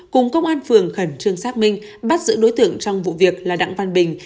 cùng công an phường khẩn trương xác minh bắt giữ đối tượng trong vụ việc là đặng văn bình